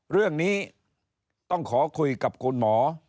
เรื่องนี้ต้องขอคุยกับคุณหมอ